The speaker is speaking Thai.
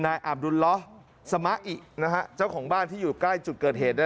อาบดุลล้อสมะอินะฮะเจ้าของบ้านที่อยู่ใกล้จุดเกิดเหตุ